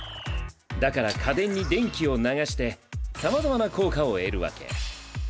だから家電に電気を流してさまざまな効果を得るわけ。